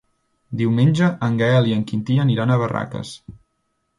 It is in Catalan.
Diumenge en Gaël i en Quintí aniran a Barraques.